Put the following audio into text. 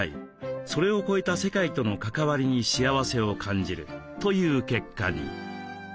それを超えた世界との関わりに幸せを感じるという結果に。